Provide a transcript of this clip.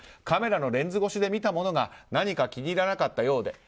カメラのレンズ越しで見たものが何か気に入らなかったようで。